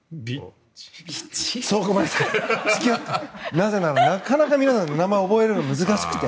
なぜなら、なかなか皆さん名前を覚えるのが難しくて。